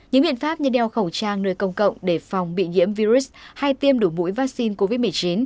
những biện pháp như đeo khẩu trang nơi công cộng để phòng bị nhiễm virus hay tiêm đủ mũi vaccine covid một mươi chín